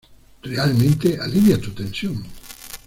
Realmente alivia tu tensión.